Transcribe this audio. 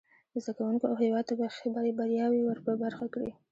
زده کوونکو او هیواد ته به ښې بریاوې ور په برخه کړي.